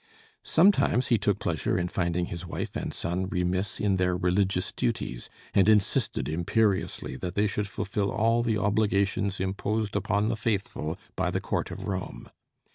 Sometimes he took pleasure in finding his wife and son remiss in their religious duties, and insisted imperiously that they should fulfil all the obligations imposed upon the faithful by the court of Rome.